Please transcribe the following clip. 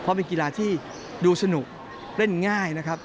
เพราะเป็นกีฬาที่ดูสนุกเล่นง่ายนะครับ